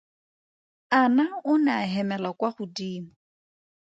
Anna o ne a hemela kwa godimo.